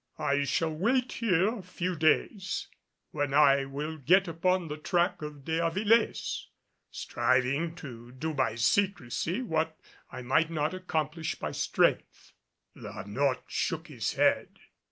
I shall wait here a few days, when I will get upon the track of De Avilés, striving to do by secrecy what I might not accomplish by strength." La Notte shook his head.